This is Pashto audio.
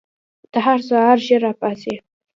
ته هر سهار ژر راپاڅې؟